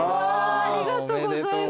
ありがとうございます。